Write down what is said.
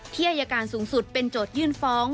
อายการสูงสุดเป็นโจทยื่นฟ้อง